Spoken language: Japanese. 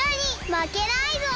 まけないぞ！